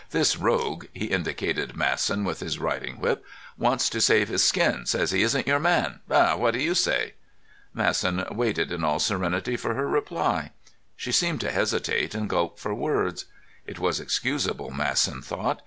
This rogue"—he indicated Masson with his riding whip—"wants to save his skin; says he isn't your man. Ha! What do you say?" Masson waited in all serenity for her reply. She seemed to hesitate and gulp for words. It was excusable, Masson thought.